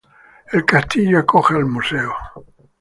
El castillo acoge el museo.